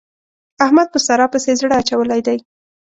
احمد په سارا پسې زړه اچولی دی.